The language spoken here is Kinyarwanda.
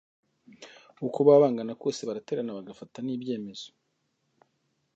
uko baba bangana kose baraterana bagafata n'ibyemezo